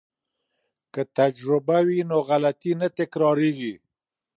که تجربه وي نو غلطي نه تکراریږي.